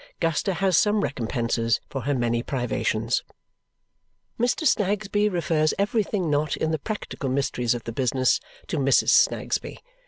Guster has some recompenses for her many privations. Mr. Snagsby refers everything not in the practical mysteries of the business to Mrs. Snagsby.